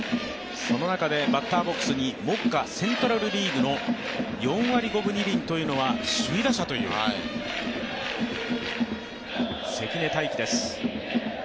その中でバッターボックスに目下、セントラル・リーグの４割５分２厘というのは首位打者という関根大気です。